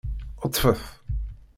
Ṭṭfet.